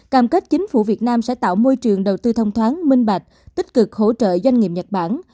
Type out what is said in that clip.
cam kết chính phủ việt nam sẽ tạo môi trường đầu tư thông thoáng minh bạch tích cực hỗ trợ doanh nghiệp nhật bản